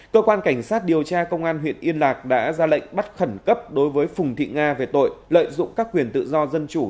cơ quan cảnh sát điều tra công an huyện yên lạc đã ra lệnh bắt khẩn cấp đối với phùng thị nga về tội lợi dụng các quyền tự do dân chủ